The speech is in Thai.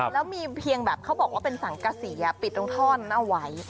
แล้วเขาบอกว่าเป็นสังฆศีปิดตรงท่อไหนไว้